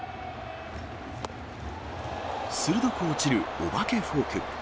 鋭く落ちるお化けフォーク。